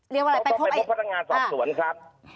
ต้องไปพบพนักงานสอบสวนครับ